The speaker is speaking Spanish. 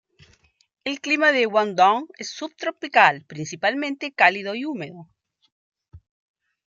El clima de Guangdong es subtropical, principalmente cálido y húmedo.